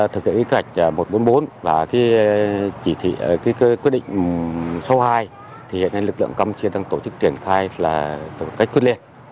thực tế kế hoạch một trăm bốn mươi bốn và quyết định số hai thì hiện nay lực lượng công triên tăng tổ chức triển khai là một cách quyết liệt